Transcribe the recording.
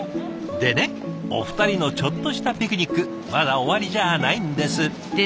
でねお二人のちょっとしたピクニックまだ終わりじゃないんです。